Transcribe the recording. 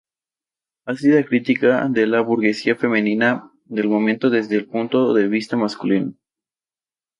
Ácida crítica de la burguesía femenina del momento desde el punto de vista masculino.